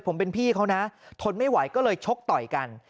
ผมเป็นพี่เขานะทนไม่ไหวก็เลยชกต่อยกัน